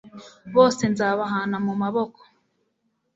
bose nzabahana mu maboko